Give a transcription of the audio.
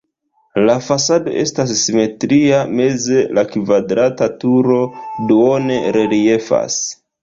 La fasado estas simetria, meze la kvadrata turo duone reliefas.